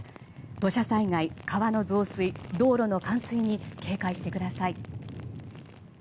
土砂災害、川の増水道路の冠水に警戒してください。